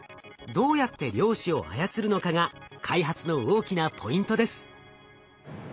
どうやって量子を操るのかが開発の大きなポイントです。